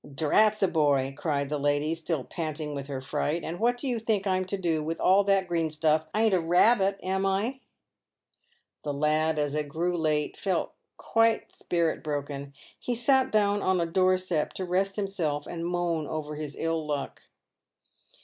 " Drat the boy," cried the lady, still panting with her fright, "and what do you think I'm to do with all that green stuff; I ain't a rabbit— am I ?" The lad, as it grew late, felt quite spirit broken. He sat down on a door step to rest himself and moan over his ill luck.